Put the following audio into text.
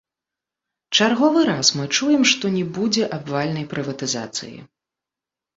Чарговы раз мы чуем што не будзе абвальнай прыватызацыі.